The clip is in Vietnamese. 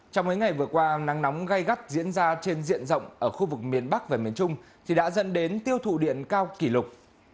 trong mấy ngày vừa qua nắng nóng gai gắt diễn ra trên diện rộng ở khu vực miền bắc và miền trung thì đã dẫn đến tiêu thụ điện cao kỷ lục